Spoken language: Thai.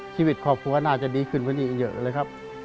ชีวิตครอบครัวอาจจะดีขึ้นพอดีอีกเยอะเลยครับ